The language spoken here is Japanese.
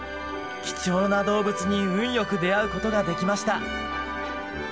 貴重な動物に運良く出会うことができました！